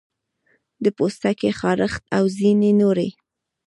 د پوستکي خارښت او ځینې نورې